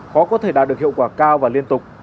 khó có thể đạt được hiệu quả cao và liên tục